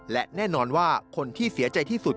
และแน่นอนว่าคนที่เสียใจที่สุด